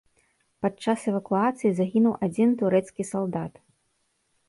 Падчас эвакуацыі загінуў адзін турэцкі салдат.